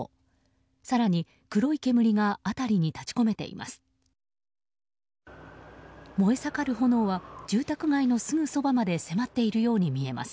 更に黒い煙が辺りに立ち込めています。